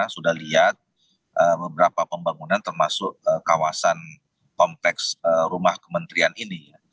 sudah lihat beberapa pembangunan termasuk kawasan kompleks rumah kementerian ini